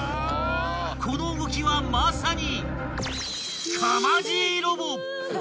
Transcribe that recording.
［この動きはまさに］